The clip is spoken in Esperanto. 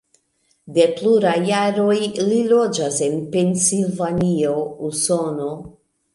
De pluraj jaroj li loĝas en Pensilvanio, Usono.